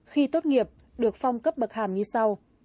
khi tốt nghiệp được phong cấp bậc hàm như sau